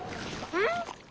うん？